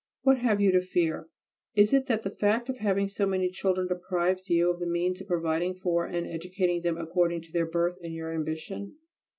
What have you to fear? Is it that the fact of having so many children deprives you of the means of providing for and educating them according to their birth and your ambition?